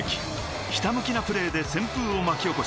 ひたむきなプレーで旋風を巻き起こし、